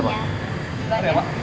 jangan lupa ya pak